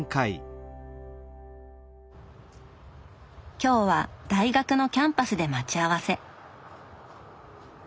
今日は大学のキャンパスで待ち合わせ。